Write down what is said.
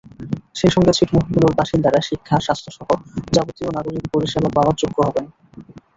সেই সঙ্গে ছিটমহলগুলোর বাসিন্দারা শিক্ষা, স্বাস্থ্যসহ যাবতীয় নাগরিক পরিষেবা পাওয়ার যোগ্য হবেন।